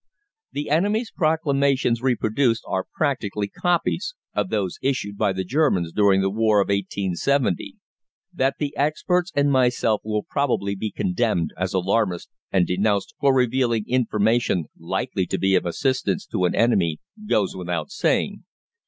The enemy's Proclamations reproduced are practically copies of those issued by the Germans during the war of 1870. That the experts and myself will probably be condemned as alarmists and denounced for revealing information likely to be of assistance to an enemy goes without saying.